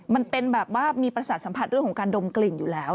มันเป็นแบบว่ามีประสาทสัมผัสเรื่องของการดมกลิ่นอยู่แล้ว